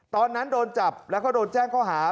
ตอนนั้นโดนจับแล้วก็โดนแจ้งข้อหา